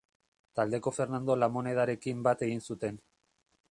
Taldeko Fernando Lamonedarekin bat egin zuten.